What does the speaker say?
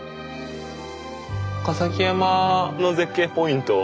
笠置山の絶景ポイント。